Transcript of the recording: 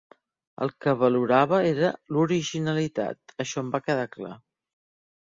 El que valorava era l'originalitat, això em va quedar clar.